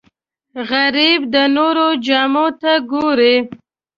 غریب د نورو جامو ته ګوري